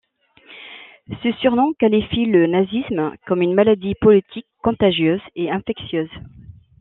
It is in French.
Ce surnom qualifie le nazisme comme une maladie politique contagieuse et infectieuse.